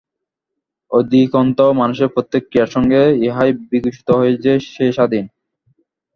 অধিকন্তু মানুষের প্রত্যেক ক্রিয়ার সঙ্গে ইহাই বিঘোষিত হয় যে, সে স্বাধীন।